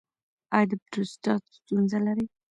ایا د پروستات ستونزه لرئ؟